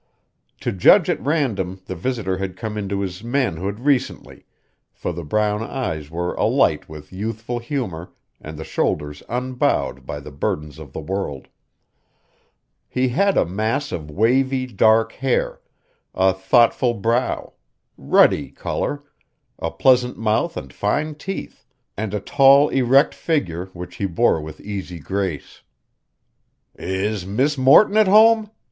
To judge at random the visitor had come into his manhood recently, for the brown eyes were alight with youthful humor and the shoulders unbowed by the burdens of the world. He had a mass of wavy, dark hair; a thoughtful brow; ruddy color; a pleasant mouth and fine teeth; and a tall, erect figure which he bore with easy grace. "Is Miss Morton at home?"